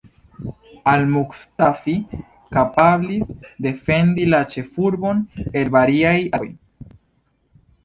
Al-Muktafi kapablis defendi la ĉefurbon el variaj atakoj.